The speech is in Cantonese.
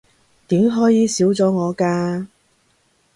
點可以少咗我㗎